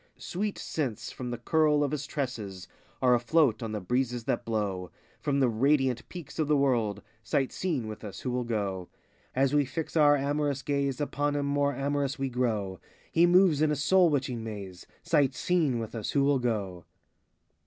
Sweet scents from the curl of his tresses Are a float on the breezes that blow From the radiant peaks of the world:— Sight seeing with us, who will go? As we fix our amorous gaze Upon him more amorous we grow: He moves in a soul witching maze:— Sight seeing with us, who will go